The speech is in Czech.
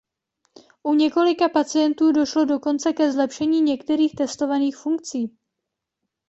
U několika pacientů došlo dokonce ke zlepšení některých testovaných funkcí.